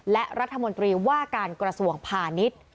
และรัฐมนตรีว่าการกระสวงผ่านิด